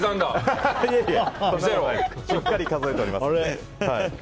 しっかり数えております。